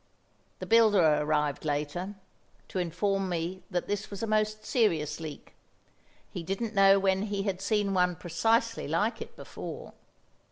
The builder arrived later, to inform me that this was a most serious leak; he didn't know when he had seen one precisely like it before.